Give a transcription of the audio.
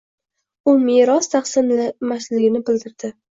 U meros taqsimlanmasligini bildirdi.